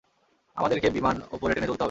আমাদেরকে বিমান উপরে টেনে তুলতে হবে।